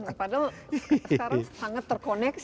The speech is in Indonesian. padahal sekarang sangat terkoneksi